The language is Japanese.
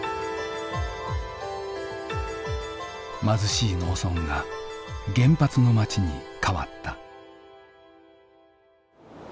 貧しい農村が原発の町に変わった。